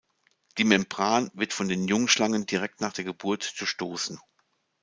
Die Membran wird von den Jungschlangen direkt nach der Geburt durchstoßen.